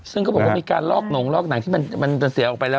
ซึ่งเขาบอกว่ามีการลอกหนงลอกหนังที่มันจะเสียออกไปแล้ว